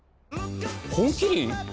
「本麒麟」